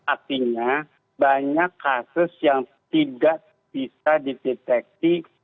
artinya banyak kasus yang tidak bisa dideteksi